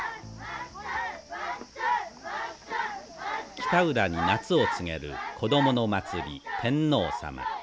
北浦に夏を告げる子どもの祭り天王様。